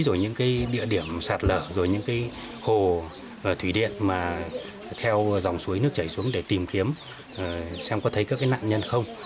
rồi những cái địa điểm sạt lở rồi những cái hồ thủy điện mà theo dòng suối nước chảy xuống để tìm kiếm xem có thấy các nạn nhân không